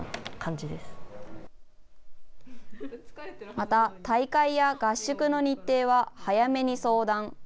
また、大会や合宿の日程は早めに相談。